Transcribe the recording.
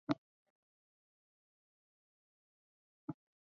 小沃尔纳特镇区为位在美国堪萨斯州巴特勒县的镇区。